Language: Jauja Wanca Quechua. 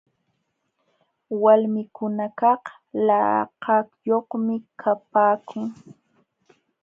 Walmikunakaq lakayuqmi kapaakun.